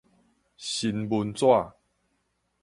新聞紙